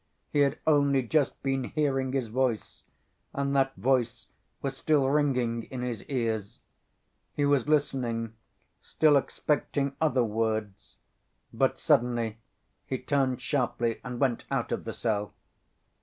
He had only just been hearing his voice, and that voice was still ringing in his ears. He was listening, still expecting other words, but suddenly he turned sharply and went out of the cell.